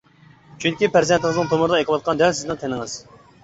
چۈنكى پەرزەنتىڭىزنىڭ تومۇرىدا ئېقىۋاتقان دەل سىزنىڭ قېنىڭىز.